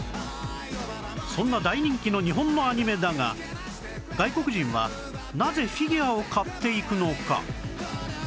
そんな大人気の日本のアニメだが外国人はなぜフィギュアを買っていくのか？